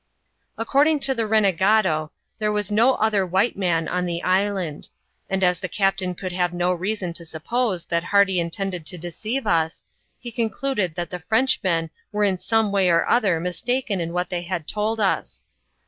According to the renegade, there was no other white man on the island ; and as the captain could have no reason to sup pose that Hardy intended to deceive us, he concluded that the Frenchmen were in some way or other mistaken in what they had told us.